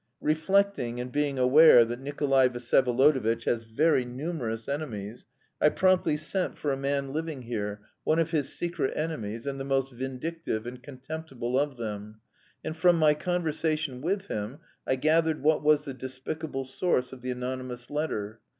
Reflecting and being aware that Nikolay Vsyevolodovitch has very numerous enemies, I promptly sent for a man living here, one of his secret enemies, and the most vindictive and contemptible of them, and from my conversation with him I gathered what was the despicable source of the anonymous letter.